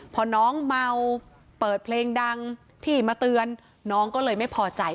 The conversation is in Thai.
พอน้องเมาเปิดเพลงดังพี่มาเตือนน้องก็เลยไม่พอใจ